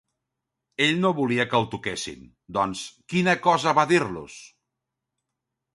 Ell no volia que el toquessin, doncs, quina cosa va dir-los?